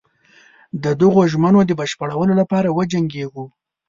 د دغو ژمنو د بشپړولو لپاره وجنګیږو.